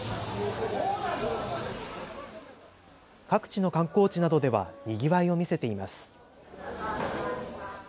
各地の観光地などではにぎわいを見せています。